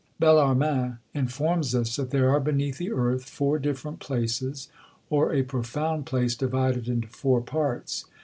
Bellarmin informs us that there are beneath the earth four different places, or a profound place divided into four parts.